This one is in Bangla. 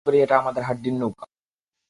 আমি মনে করি এটা আমাদের হাড্ডির নৌকা।